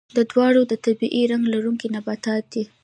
دا دواړه د طبیعي رنګ لرونکي نباتات دي.